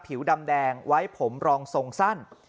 ผิวดำแดงไว้ผมรองทรงสั้น